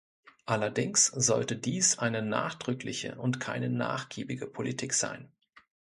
Allerdings sollte dies eine nachdrückliche und keine nachgiebige Politik sein.